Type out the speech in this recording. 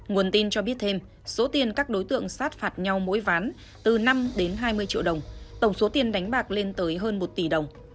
nguồn tin cho biết thêm số tiền các đối tượng sát phạt nhau mỗi ván từ năm đến hai mươi triệu đồng tổng số tiền đánh bạc lên tới hơn một tỷ đồng